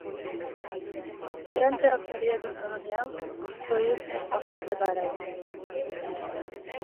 Durante o período colonial construíuse o "Forte Bahrain".